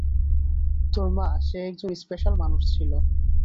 তোর মা, সে একজন স্পেশাল মানুষ ছিল।